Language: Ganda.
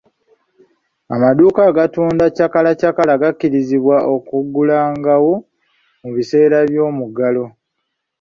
Amaduuka agatunda chakalachakala gakkirizibwa okuggulangawo mu biseera by'omuggalo.